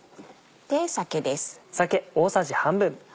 酒です。